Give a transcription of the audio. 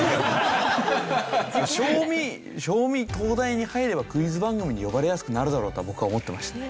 正味正味東大に入ればクイズ番組に呼ばれやすくなるだろうと僕は思ってましたね。